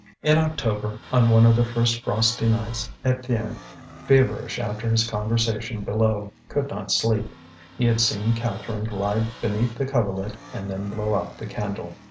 In October, on one of the first frosty nights, Étienne, feverish after his conversation below, could not sleep. He had seen Catherine glide beneath the coverlet and then blow out the candle.